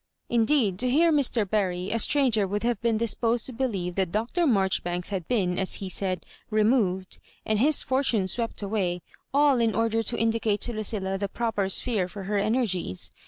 Indeed, to hear Mr. Bury, a stranger would have been disposed to believe that Dr. Marjoribaifks had been, as he said, "removed," and his fortune swept away, all in order to indi cate to Lucilla the proper sphere for her energies.